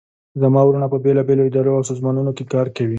زما وروڼه په بیلابیلو اداراو او سازمانونو کې کار کوي